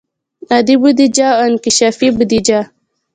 عادي بودیجه او انکشافي بودیجه.